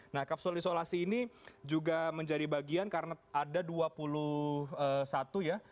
nah kapsul isolasi ini juga menjadi bagian karena ada dua puluh satu ya